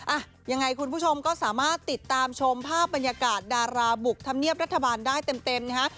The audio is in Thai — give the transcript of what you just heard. อ่ะยังไงคุณผู้ชมก็สามารถติดตามชมภาพบรรยากาศดาราบุกธรรมเนียบรัฐบาลได้เต็มนะฮะ